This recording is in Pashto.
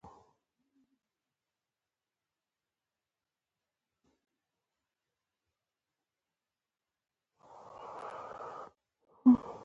زه مستری ته ځم